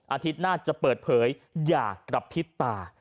อาทิตย์หน้าจะเปิดเผยอย่ากระพริบตา